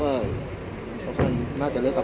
พี่อัดมาสองวันไม่มีใครรู้หรอก